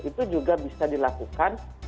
itu juga bisa dilakukan dengan tujuan